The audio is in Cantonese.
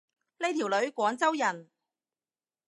呢條女廣州人